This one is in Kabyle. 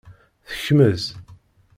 Tekmez.